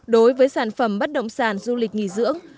đối với sản phẩm bất động sản du lịch nghỉ dưỡng